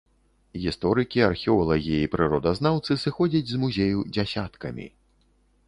Гісторыкі, археолагі і прыродазнаўцы сыходзяць з музею дзясяткамі.